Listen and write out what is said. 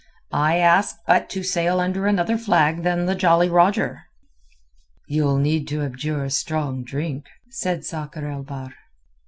"I ask but to sail under another flag than the Jolly Roger." "You'll need to abjure strong drink," said Sakr el Bahr.